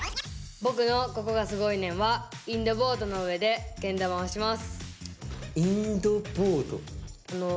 僕のココがすごいねんはインドボードの上でけん玉をします。